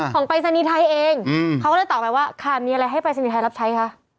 ของไปรษณีย์ไทยเองเขาก็เลยตอบไปว่าค่ะมีอะไรให้ไปรษณีย์ไทยรับใช้ค่ะ